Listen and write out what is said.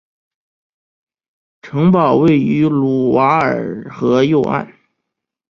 城堡位于卢瓦尔河右岸。